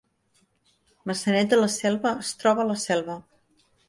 Maçanet de la Selva es troba a la Selva